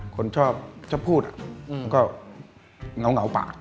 คนชอบชอบพูดมันก็เหงาปาก